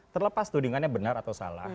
terlepas tudingannya benar atau salah